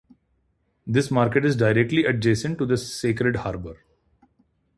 This market is directly adjacent to the Sacred Harbour.